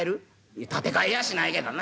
「いや立て替えやしないけどな。